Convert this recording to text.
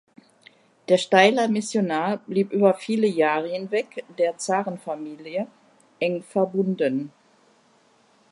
Der Steyler Missionar blieb über viele Jahre hinweg der Zarenfamilie eng verbunden.